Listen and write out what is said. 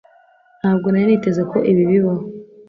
Ntabwo nari niteze ko ibi bibaho